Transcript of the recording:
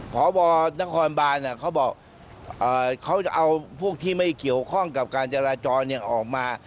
พบนครบานเขาบอกเขาจะเอาพวกที่ไม่เกี่ยวข้องกับการจราจรออกมา